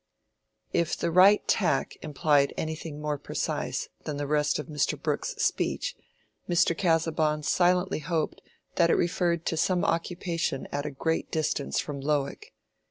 If the right tack implied anything more precise than the rest of Mr. Brooke's speech, Mr. Casaubon silently hoped that it referred to some occupation at a great distance from Lowick.